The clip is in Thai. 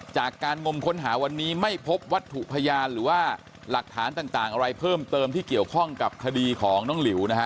การงมค้นหาวันนี้ไม่พบวัตถุพยานหรือว่าหลักฐานต่างอะไรเพิ่มเติมที่เกี่ยวข้องกับคดีของน้องหลิวนะฮะ